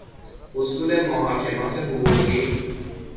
اصول محاکمات حقوقی